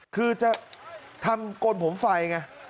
คือจะทำกลผมไฟไง